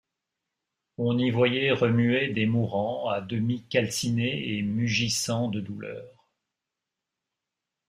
On y voyait remuer des mourants à demi calcinés et mugissant de douleur.